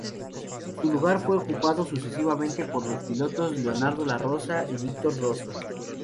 Su lugar fue ocupado sucesivamente por los pilotos Leandro Larrosa y Víctor Rosso.